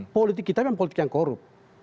politik kita memang politik yang korup